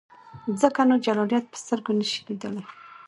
ځکه نو جلالیت په سترګو نسې لیدلای.